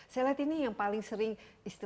jadi kita harus berpikir pikir